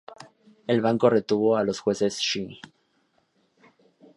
El banco retuvo a los jueces Sh.